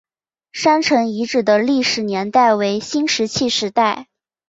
山城遗址的历史年代为新石器时代。